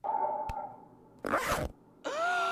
زخمي غیرت به مي طبیبه درمل څنګه مني